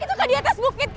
itu kak di atas bukit kak